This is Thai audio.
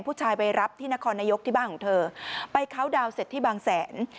ผู้ชายไปรับที่นครนายกที่บ้านของเธอไปเคาน์ดาวน์เสร็จที่บางแสน